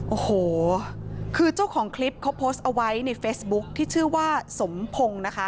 โอ้โหคือเจ้าของคลิปเขาโพสต์เอาไว้ในเฟซบุ๊คที่ชื่อว่าสมพงศ์นะคะ